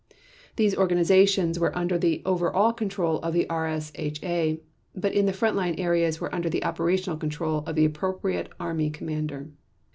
These organizations were under the over all control of the RSHA, but in front line areas were under the operational control of the appropriate Army Commander.